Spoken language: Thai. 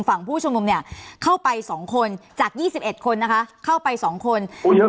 ฝั่งผู้ชุมนุมเนี่ยเข้าไปสองคนจาก๒๑คนครับเข้าไปสองคน